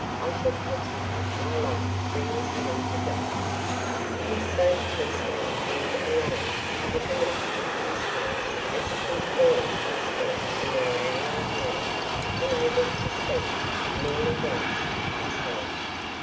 I shall consecrate my life to bring this man to justice!" He spoke tensely and Elaine, looking up into his face, as if imploring his help in her hour of need, unable to speak, merely grasped his hand.